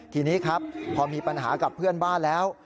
ทีนี้ครับพอมีปัญหากับเพื่อนบ้านแล้ว